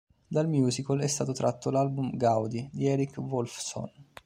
Dal musical è stato tratto l'album "Gaudi" di Eric Woolfson.